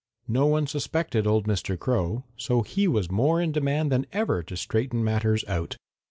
No one suspected old Mr. Crow, so he was more in demand than ever to straighten matters out.